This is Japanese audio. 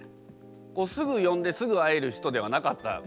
すぐ呼んですぐ会える人ではなかった。